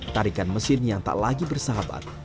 tarikan mesin yang tak lagi bersahabat